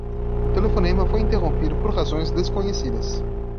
O telefonema foi interrompido por razões desconhecidas.